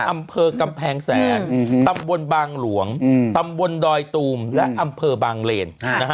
อำเภอกำแพงแสนตำบลบางหลวงตำบลดอยตูมและอำเภอบางเลน